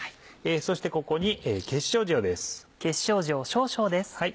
そしてここに結晶塩です。